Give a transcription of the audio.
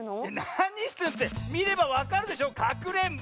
なにしてるってみればわかるでしょかくれんぼ！